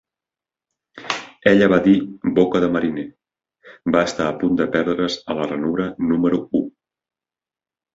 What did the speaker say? Ella va dir "Boca de mariner", va estar a punt de perdre"s a la ranura número u.